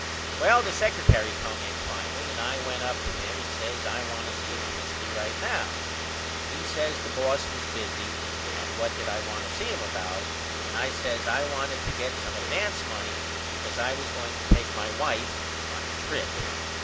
Well the secretary come in finally and I went up to him and says I wanted to see Comiskey right away. He says The boss was busy and what did I want to see him about and I says I wanted to get some advance money because I was going to take my wife on the trip.